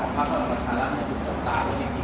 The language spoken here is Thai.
ว่าประการประชนะระชมันเกิดเกิดเกินต่างหรือไม่จริง